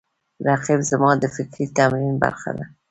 رقیب زما د فکري تمرین برخه ده